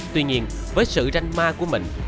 tuy nhiên với sự ranh ma của mình